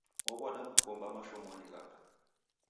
Ow'ada mkomba mashomonyi ghape.